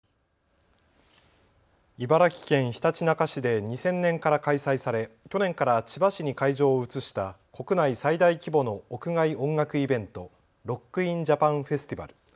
茨城県ひたちなか市で２０００年から開催され去年から千葉市に会場を移した国内最大規模の屋外音楽イベント、ロック・イン・ジャパン・フェスティバル。